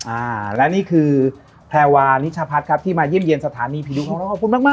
อ่าและนี่คือแพวานิชพัฒน์ครับที่มาเยี่ยมเยี่ยมสถานีผีดุของเรา